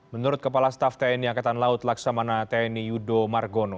menurut kepala staf tni angkatan laut laksamana tni yudo margono